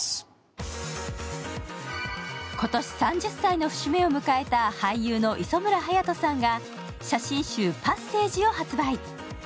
今年３０歳の節目を迎えた俳優の磯村勇斗さんが写真集「ＰＡＳＳＡＧＥ」を発売。